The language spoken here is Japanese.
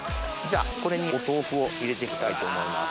これにお豆腐を入れていきたいと思います。